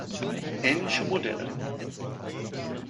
Ähnliche Modelle